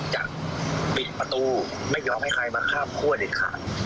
จะปิดประตูไม่ยอมให้ใครมาข้ามคั่วเด็ดขาด